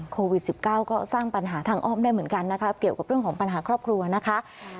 โควิด๑๙ก็สร้างปัญหาทางอ้อมได้เหมือนกันนะคะเกี่ยวกับเรื่องของปัญหาครอบครัวนะคะ